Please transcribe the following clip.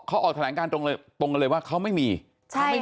เขาออกแถลงการตรงเลยตรงกันเลยว่าเขาไม่มีใช่ไม่มี